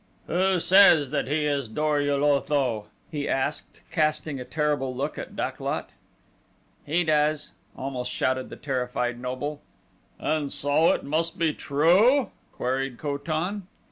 "Who says that he is Dor ul Otho?" he asked, casting a terrible look at Dak lot. "He does!" almost shouted that terrified noble. "And so it must be true?" queried Ko tan.